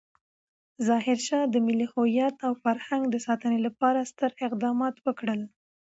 ظاهرشاه د ملي هویت او فرهنګ د ساتنې لپاره ستر اقدامات وکړل.